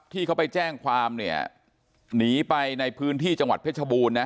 ที่เขาไปแจ้งความเนี่ยหนีไปในพื้นที่จังหวัดเพชรบูรณนะ